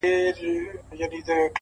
زه د يزيـد د ستــرګو خـار ځکـــه يـــم